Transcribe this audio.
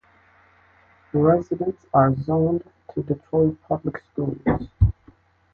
Residents are zoned to Detroit Public Schools.